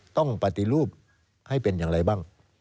ต้องปฏิรูปให้เป็นอย่างไรบ้าง